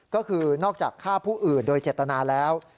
ก็คือนอกจากฆ่าผู้อื่นโดยเจตนาแล้ว